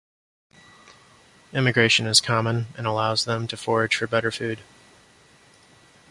Immigration is common and allows them to forage for better food.